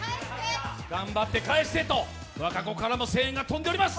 頑張って返してと和歌子からの声援が飛んでおります。